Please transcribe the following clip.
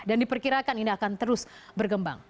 dan diperkirakan ini akan terus bergembang